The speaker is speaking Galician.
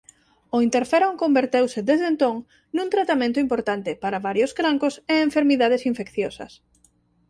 O interferón converteuse desde entón nun tratamento importante para varios cancros e enfermidades infecciosas.